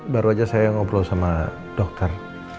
baru aja saya ngobrol sama dokter